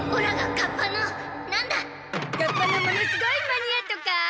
カッパのものすごいマニアとか？